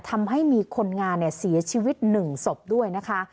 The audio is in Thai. ทำให้มีคนงานเสียชีวิต๑ศพด้วยนะคะ